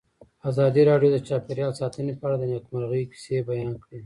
ازادي راډیو د چاپیریال ساتنه په اړه د نېکمرغۍ کیسې بیان کړې.